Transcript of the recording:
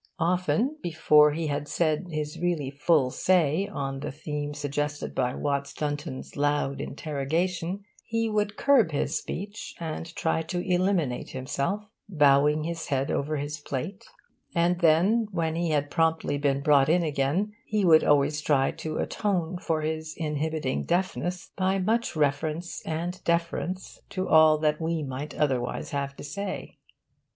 Often, before he had said his really full say on the theme suggested by Watts Dunton's loud interrogation, he would curb his speech and try to eliminate himself, bowing his head over his plate; and then, when he had promptly been brought in again, he would always try to atone for his inhibiting deafness by much reference and deference to all that we might otherwise have to say.